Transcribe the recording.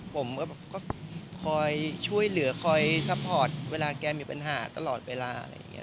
ผมก็คอยช่วยเหลือคอยซัพพอร์ตเวลาแกมีปัญหาตลอดเวลา